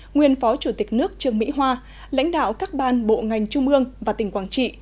nguyên phó chủ tịch nước trương mỹ hoa lãnh đạo các ban bộ ngành trung ương và tỉnh quảng trị